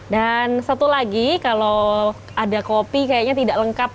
dan satu lagi kalau ada kopi kayaknya tidak lengkap